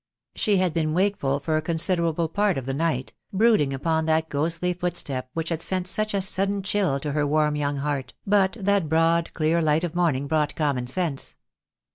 She had been wakeful for a considerable part of the night, brooding upon that ghostly footstep which had sent such a sudden chill to her warm young heart, but that broad clear light of morning brought common sense.